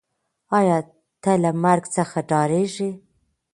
آیا ته له مرګ څخه ډارېږې؟